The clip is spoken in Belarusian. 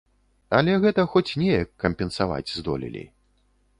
Але гэта хоць неяк кампенсаваць здолелі.